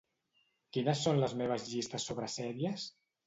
Quines són les meves llistes sobre sèries?